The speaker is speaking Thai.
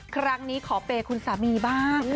ครั้งนี้ขอเปย์คุณสามีบ้าง